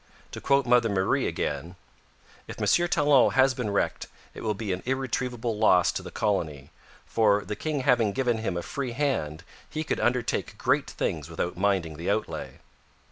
To quote Mother Marie again: 'If M. Talon has been wrecked, it will be an irretrievable loss to the colony, for, the king having given him a free hand, he could undertake great things without minding the outlay.'